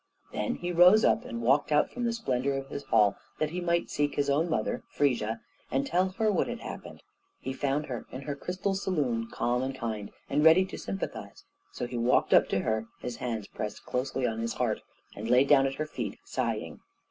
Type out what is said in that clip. Then he rose up and walked out from the splendor of his hall, that he might seek his own mother, Frigga, and tell her what had happened. He found her in her crystal saloon, calm and kind, and ready to sympathize; so he walked up to her, his hands pressed closely on his heart, and lay down at her feet sighing.